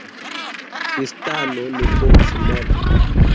Kristiano ne povas morti.